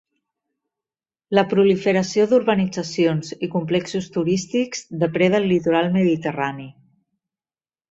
La proliferació d'urbanitzacions i complexos turístics depreda el litoral mediterrani.